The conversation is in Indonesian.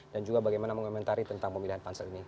dan juga bagaimana mengomentari tentang pemindahan pansel ini